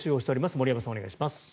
森山さん、お願いします。